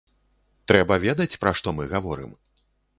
Трэба ведаць, пра што мы гаворым.